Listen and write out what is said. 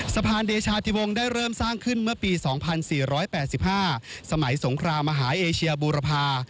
สะพานเดชาติวงศ์ได้เริ่มสร้างขึ้นเมื่อปี๒๔๘๕สมัยสงครามมหาเอเชียบูรพา